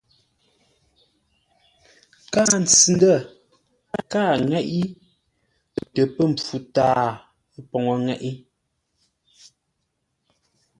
Kâa ntsʉ-ndə̂ kâa ŋeʼé tə pə̂ mpfu tâa poŋə́ ŋeʼé.